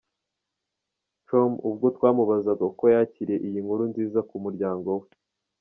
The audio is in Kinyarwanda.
com ubwo twamubazaga uko yakiriye iyi nkuru nziza ku muryango we.